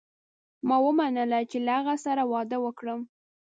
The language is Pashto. ما ومنله چې له هغه سره واده وکړم.